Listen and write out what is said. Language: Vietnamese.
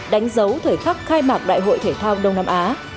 đánh dấu thời khắc khai mạc đại hội thể thao đông nam á